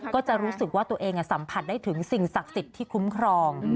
ก็จะรู้สึกว่าตัวเองสัมผัสได้ถึงสิ่งศักดิ์สิทธิ์ที่คุ้มครอง